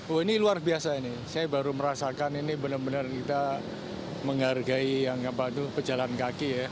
oh ini luar biasa ini saya baru merasakan ini benar benar kita menghargai yang apa itu pejalan kaki ya